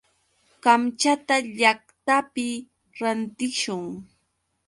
Kamchata llaqtapi rantishun.